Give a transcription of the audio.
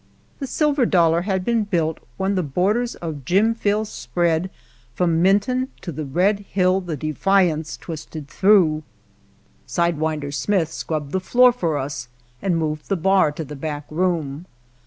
The Silver Dollar had been built when the borders of Jimville spread from Minton to the red hill the Defiance twisted through. "Side Winder" Smith scrubbed the floor for us and moved the bar to the back room.